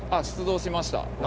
出動しました。